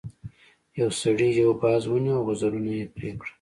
یو سړي یو باز ونیو او وزرونه یې پرې کړل.